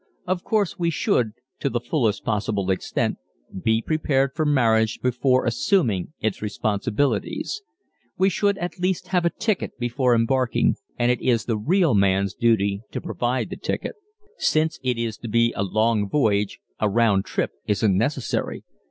Of course we should, to the fullest possible extent, be prepared for marriage before assuming its responsibilities. We should at least have a ticket before embarking and it is the real man's duty to provide the ticket. Since it is to be a long voyage a "round trip" isn't necessary.